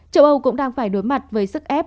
châu âu cũng đang phải đối mặt với sức ép